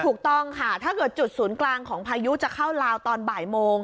ถูกต้องค่ะถ้าเกิดจุดศูนย์กลางของพายุจะเข้าลาวตอนบ่ายโมง